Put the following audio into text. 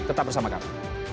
tetap bersama kami